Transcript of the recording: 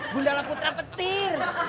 gundala putra petir